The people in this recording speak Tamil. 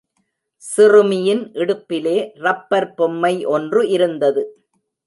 சிறுமியின் இடுப்பிலே ரப்பர் பொம்மை ஒன்று இருந்தது.